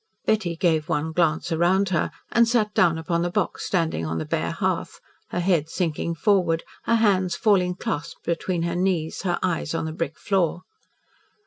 Betty gave one glance around her and sat down upon the box standing on the bare hearth, her head sinking forward, her hands falling clasped between her knees, her eyes on the brick floor.